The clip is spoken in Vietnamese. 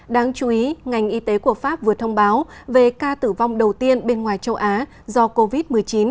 đáng chú ý ngành y tế của pháp vừa thông báo về ca tử vong đầu tiên bên ngoài châu á do covid một mươi chín